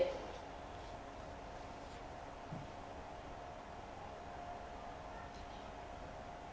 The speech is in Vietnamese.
chủ tịch ubnd tỉnh hà nam nguyễn xuân đông đã tới thăm hỏi các nạn nhân đang nằm viện